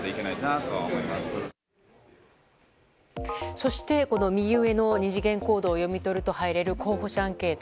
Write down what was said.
そして右上の二次元コードを読み取ると入れる候補者アンケート。